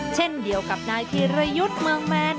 เช่นเดียวกับนายธีรยุทธ์เมืองแมน